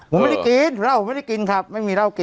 ผมไม่ได้กินเหล้าไม่ได้กินครับไม่มีเหล้ากิน